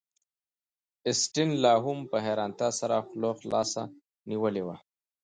اسټین لاهم په حیرانتیا سره خوله خلاصه نیولې وه